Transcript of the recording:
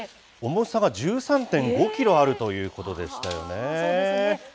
重さが１３．５キロあるということでしたよね。